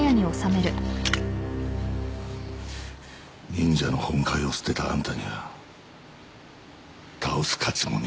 忍者の本懐を捨てたあんたには倒す価値もねえよ。